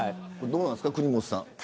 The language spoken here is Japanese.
どうなんですか、国本さん。